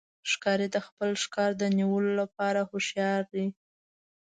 ښکاري د خپل ښکار د نیولو لپاره هوښیار دی.